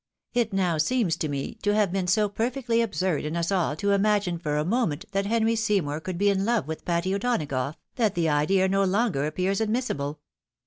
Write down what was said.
It now seems to me to have been so perfectly absurd in us all to imagine for a moment that Henry Seymour could be in love with Patty O'Donagough, that the idea no longer appears admissible.